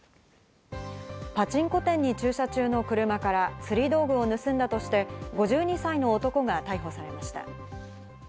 パチンコ店に駐車中の車から釣り道具を盗んだとして５２歳の男が逮捕されました。